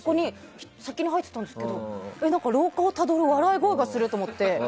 先に入っていたんですけど廊下で笑い声がすると思って。